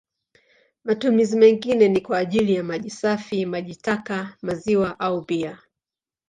Matumizi mengine ni kwa ajili ya maji safi, maji taka, maziwa au bia.